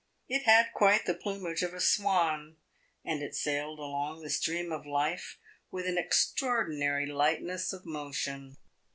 It had quite the plumage of a swan, and it sailed along the stream of life with an extraordinary lightness of motion.